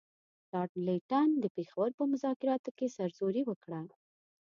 لارډ لیټن د پېښور په مذاکراتو کې سرزوري وکړه.